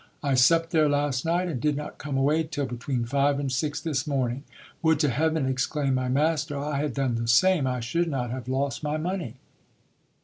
I supped there last night, and did not come away till between five and six this morning. Would to heaven, exclaimed my master, I had done the same ! I should not have lost my money.